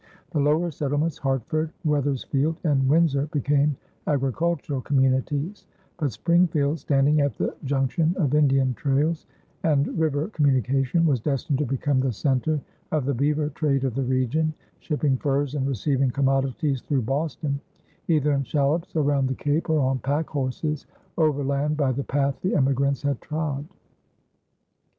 The lower settlements, Hartford, Wethersfield, and Windsor, became agricultural communities; but Springfield, standing at the junction of Indian trails and river communication, was destined to become the center of the beaver trade of the region, shipping furs and receiving commodities through Boston, either in shallops around the Cape or on pack horses overland by the path the emigrants had trod.